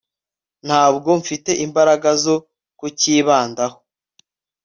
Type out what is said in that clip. ntabwo mfite imbaraga zo kukibandaho